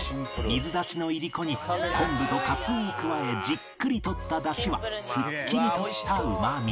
水出しのいりこに昆布とカツオを加えじっくり取った出汁はすっきりとしたうまみ